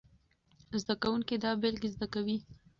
زده کوونکي دا بېلګې زده کوي.